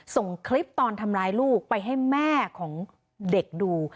ส่งคลิปตอนทำร้ายลูกไปให้แม่ของเด็กดู